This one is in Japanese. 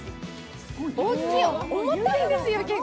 大きい、重たいんですよ、結構。